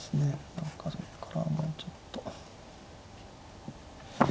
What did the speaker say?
何かそっからもうちょっと。